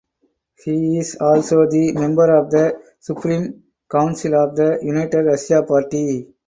He is also the member of the Supreme Council of the United Russia party.